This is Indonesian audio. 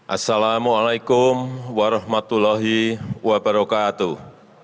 assalamu'alaikum warahmatullahi wabarakatuh